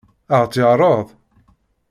Ad ɣ-tt-yeɛṛeḍ?